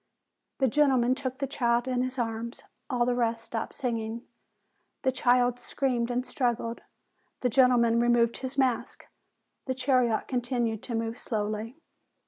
The gentleman took the child in his arms: all the rest stopped singing. The child screamed and strug gled. The gentleman removed *his mask. The chariot continued to move slowly.